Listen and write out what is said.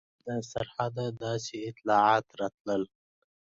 د سرحده داسې اطلاعات راتلل.